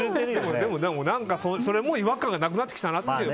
もう、それも違和感がなくなってきたなっていう。